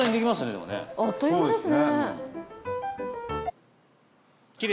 高橋：あっという間ですね。